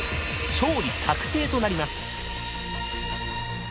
勝利確定となります。